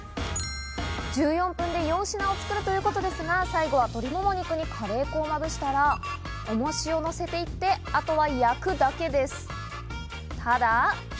１４分で４品を作るということですが、最後は鶏もも肉にカレー粉をまぶしたら、重しを乗せていって、あとは焼くだけです。